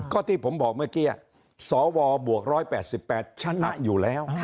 ก็ที่ผมบอกเมื่อกี้อ่ะสวบวกร้อยแร่สิบแก้ชนะอยู่แล้ว